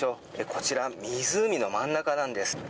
こちら、湖の真ん中なんです。